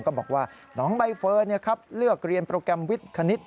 บอกว่าน้องใบเฟิร์นเลือกเรียนโปรแกรมวิทย์คณิต